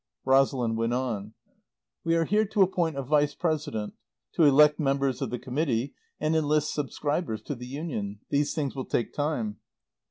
Rosalind went on: "We are here to appoint a vice president, to elect members of the Committee and enlist subscribers to the Union. These things will take time."